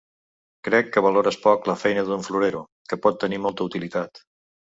Crec que valores poc la feina d’un ‘florero’, que pot tenir molta utilitat.